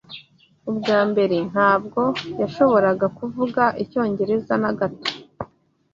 Ubwa mbere, ntabwo yashoboraga kuvuga icyongereza na gato